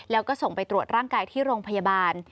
แล้วก็ส่งไปตรวจร่างกายที่โรงพยาบาล